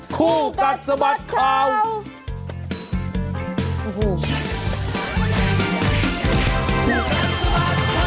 คู่กันสมัติข่าวโอ้โฮ